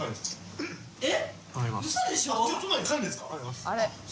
えっ！